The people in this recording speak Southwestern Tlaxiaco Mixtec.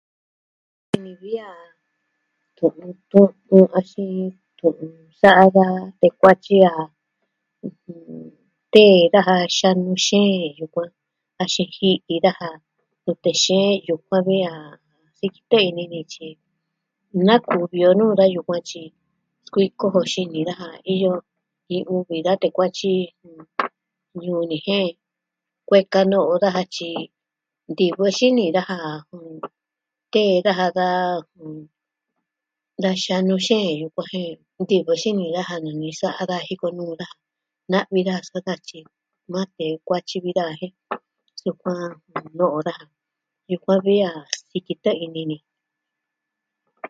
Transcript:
Sikitɨ ini ni vi a tu'un axin tu'un sa'a da tee kuatyi a ɨjɨn... tee daja xanu xeen yukuan axin ji'i daja nute xeen yukuan vi a... sikitɨ ini ni tyi na kuvi o nuu da ñɨ kuatyi skuiko jo xini daja. Iyo iin uvi da tee kuatyi jɨ... ñuu ni jen kueka no'o daja tyi ntivɨ xini daja jɨ... tee daja da... da xanu xeen yukuan jen ntivɨ xini daja nini sa'a da jiko nuu daja. Na'vi da sa tatyi maa tee kuatyi vitan jen sukuan iyo daja. Yukuan vi a sikitɨ ini ni.